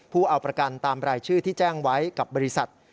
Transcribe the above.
ผู้เอาประกันตามรายชื่อที่แจ้งไว้กับบริษัท